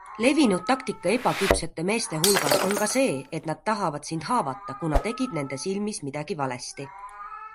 Levinud taktika ebaküpsete meeste hulgas on ka see, et nad tahavad sind haavata, kuna tegid nende silmis midagi valesti.